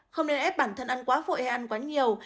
không nên ép bản thân ăn quá vội hay ăn quá nhiều